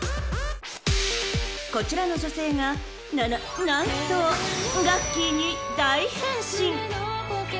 ［こちらの女性がなな何とガッキーに大変身］